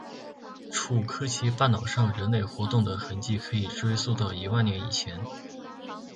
楚科奇半岛上人类活动的痕迹可以追溯到一万年以前。